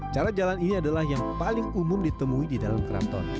cara jalan ini adalah yang paling umum ditemui di dalam keraton